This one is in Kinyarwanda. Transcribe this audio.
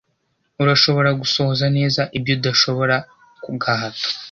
urashobora gusohoza ineza ibyo udashobora ku gahato